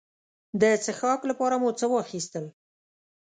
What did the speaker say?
د څښاک لپاره مو څه واخیستل.